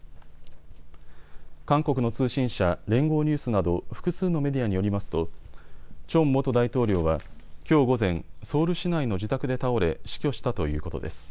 韓国の通信社、連合ニュースなど複数のメディアによりますとチョン元大統領はきょう午前、ソウル市内の自宅で倒れ死去したということです。